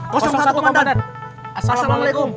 satu komandan assalamualaikum